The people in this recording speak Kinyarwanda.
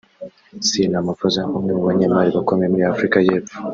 Cyril Ramaphosa umwe mu banyemari bakomeye muri Afurika y’Epfo